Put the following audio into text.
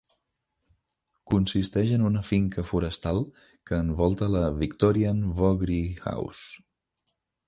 Consisteix en una finca forestal que envolta la Victorian Vogrie House.